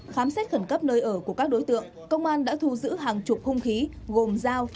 khám xét khẩn cấp nơi ở của các đối tượng công an đã thu giữ hàng chục hung khí gồm dao